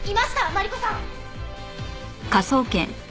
マリコさん。